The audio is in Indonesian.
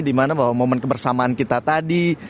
dimana bahwa momen kebersamaan kita tadi